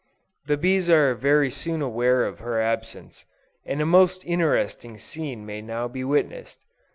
The bees are very soon aware of her absence, and a most interesting scene may now be witnessed.